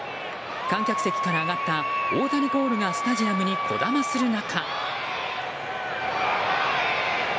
観客席から上がった大谷コールがスタジアムにこだまする中。